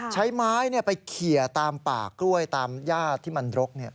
ใช้ไม้ไปเขียตามป่ากล้วยตามญาติที่มันรก